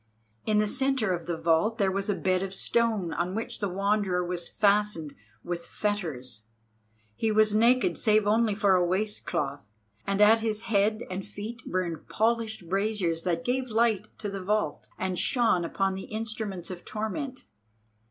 In the centre of the vault there was a bed of stone on which the Wanderer was fastened with fetters. He was naked, save only for a waistcloth, and at his head and feet burned polished braziers that gave light to the vault, and shone upon the instruments of torment.